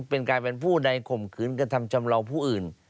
เป็นกลายเป็นผู้ใดข่มขืนกระทำชำเลาผู้อื่น